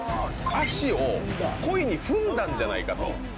足を故意に踏んだんじゃないかと。